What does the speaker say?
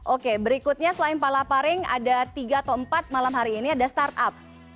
oke berikutnya selain palaparing ada tiga atau empat malam hari ini ada startup